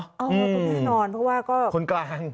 คุณแน่นอนเพราะว่าก็คนกลาง